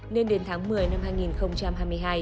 nên đến tháng một mươi năm hai nghìn hai mươi hai